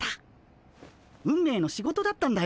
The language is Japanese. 運命の仕事だったんだよ